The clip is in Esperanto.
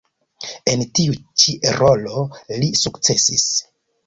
En tiu ĉi rolo li sukcesis.